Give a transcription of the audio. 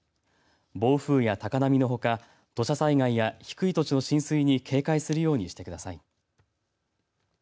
暴風や高波のほか土砂災害や低い土地の浸水に警戒するようにしてください。